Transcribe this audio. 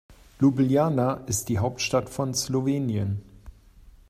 Ljubljana ist die Hauptstadt von Slowenien.